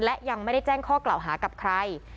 และยังไม่ได้แจ้งข้อกล่าวหากับใคร